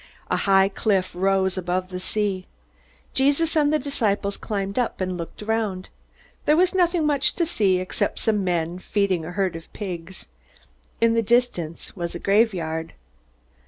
A high cliff rose above the sea. Jesus and the disciples climbed up and looked around. There was nothing much to see except some men feeding a herd of pigs. In the distance was a graveyard.